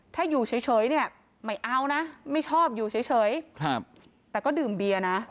ถ้าอยู่เฉยเนี่ยไม่เอานะไม่ชอบอยู่เฉยแต่ก็ดื่มเบียร์นะ